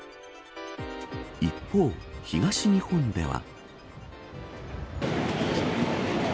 一方、東日本では。